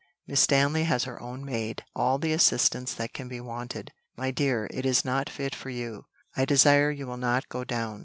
Miss Stanley has her own maid, all the assistance that can be wanted. My dear, it is not fit for you. I desire you will not go down."